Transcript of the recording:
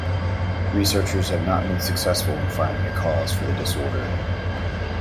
Researchers have not been successful in finding a cause for the disorder.